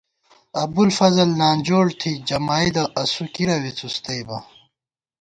ابُوالفضل نانجوڑ تھی جمائیدہ اسُو کی رَوے څُوستَئیبہ